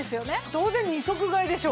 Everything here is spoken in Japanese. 当然２足買いでしょ！